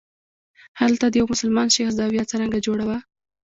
هلته د یوه مسلمان شیخ زاویه څرنګه جوړه وه.